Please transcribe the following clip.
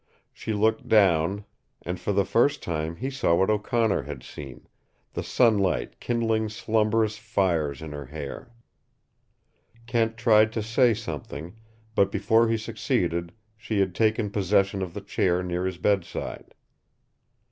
She looked down, and for the first time he saw what O'Connor had seen, the sunlight kindling slumberous fires in her hair. Kent tried to say something, but before he succeeded she had taken possession of the chair near his bedside.